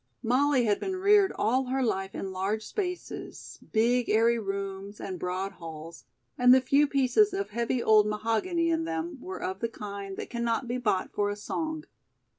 Molly had been reared all her life in large spaces, big, airy rooms, and broad halls, and the few pieces of heavy old mahogany in them were of the kind that cannot be bought for a song.